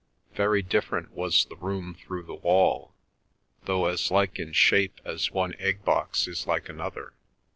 Very different was the room through the wall, though as like in shape as one egg box is like another.